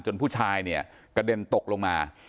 ผู้ชายเนี่ยกระเด็นตกลงมา